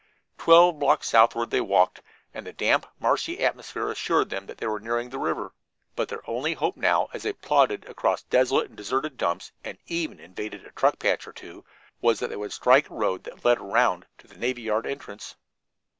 Twelve blocks southward they walked, and the damp, marshy atmosphere assured them that they were nearing the river, but their only hope now, as they plodded across desolate and deserted dumps, and even invaded a truck patch or two, was that they would strike a road that led around to the navy yard entrance.